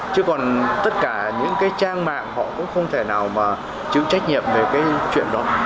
chứ còn tất cả những cái trang mạng họ cũng không thể nào mà chịu trách nhiệm về cái chuyện đó